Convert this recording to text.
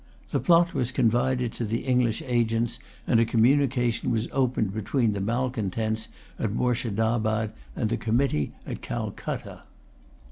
The plot was confided to the English agents, and a communication was opened between the malcontents at Moorshedabad and the committee at Calcutta.